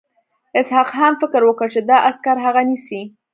اسحق خان فکر وکړ چې دا عسکر هغه نیسي.